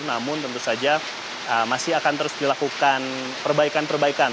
namun tentu saja masih akan terus dilakukan perbaikan perbaikan